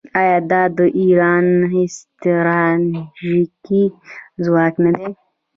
آیا دا د ایران ستراتیژیک ځواک نه دی؟